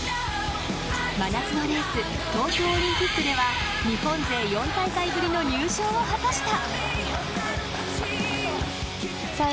真夏のレース東京オリンピックでは日本勢４大会ぶりの入賞を果たした。